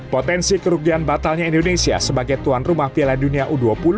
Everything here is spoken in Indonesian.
potensi kerugian batalnya indonesia sebagai tuan rumah piala dunia u dua puluh